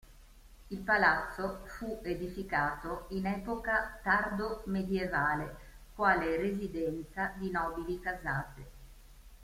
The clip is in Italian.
Il palazzo fu edificato in epoca tardomedievale quale residenza di nobili casate.